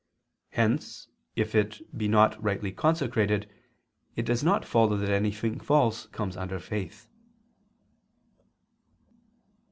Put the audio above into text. Hence if it be not rightly consecrated, it does not follow that anything false comes under faith.